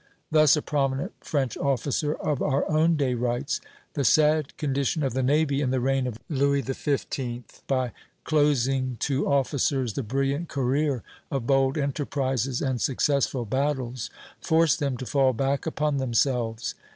Thus a prominent French officer of our own day writes: "The sad condition of the navy in the reign of Louis XV., by closing to officers the brilliant career of bold enterprises and successful battles, forced them to fall back upon themselves.